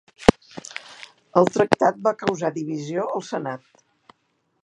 El tractat va causar divisió al Senat.